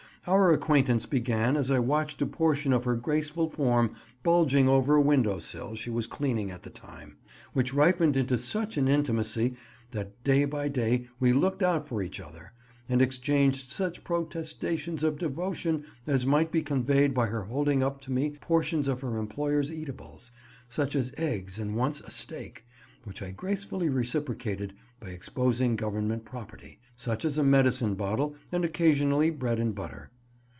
Our acquaintance began as I watched a portion of her graceful form bulging over a window sill she was cleaning at the time, which ripened into such an intimacy, that day by day we looked out for each other, and exchanged such protestations of devotion as might be conveyed by her holding up to me portions of her employer's eatables, such as eggs and once a steak, which I gracefully reciprocated by exposing Government property, such as a medicine bottle and occasionally bread and butter.